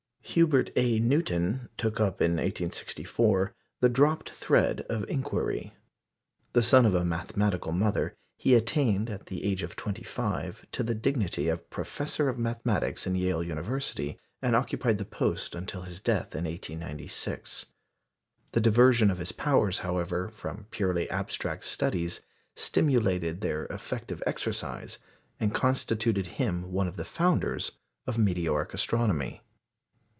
Hubert A. Newton took up, in 1864, the dropped thread of inquiry. The son of a mathematical mother, he attained, at the age of twenty five, to the dignity of Professor of Mathematics in Yale University, and occupied the post until his death in 1896. The diversion of his powers, however, from purely abstract studies stimulated their effective exercise, and constituted him one of the founders of meteoric astronomy.